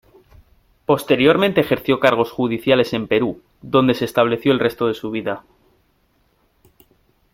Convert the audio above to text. Posteriormente ejerció cargos judiciales en Perú, donde se estableció el resto de su vida.